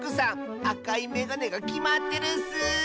あかいめがねがきまってるッス！